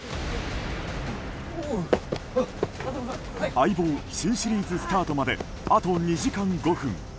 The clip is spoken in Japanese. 「相棒」新シリーズスタートまであと２時間５分。